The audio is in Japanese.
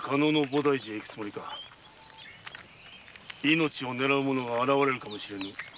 命を狙う者が現れるかもしれぬ。